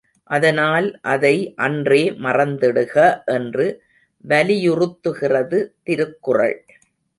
அதனால் அதை அன்றே மறந்திடுக என்று வலியுறுத்துகிறது திருக்குறள்.